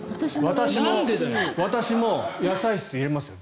私も野菜室に入れますよ。